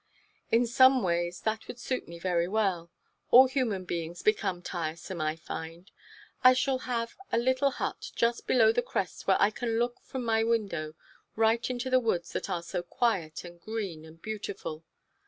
"In some ways that would suit me very well. All human beings become tiresome, I find. I shall have a little hut just below the crest where I can look from my window right into the woods that are so quiet and green and beautiful.